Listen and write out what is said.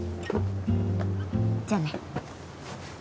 じゃあね。